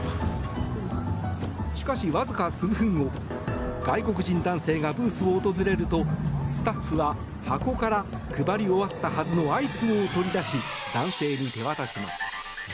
しかし、わずか数分後外国人男性がブースを訪れるとスタッフは箱から配り終わったはずのアイスを取り出し男性に手渡します。